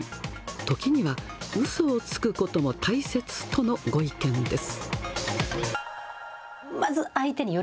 時にはうそをつくことも大切とのご意見です。